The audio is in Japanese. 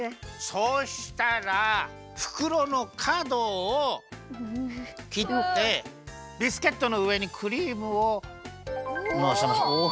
そうしたらふくろのかどをきってビスケットのうえにクリームをのせましょう。